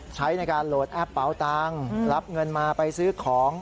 ใช้ในการโหลดแอปเป๋าตังค์รับเงินมาไปซื้อของ